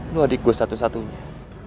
nu adik gue satu satunya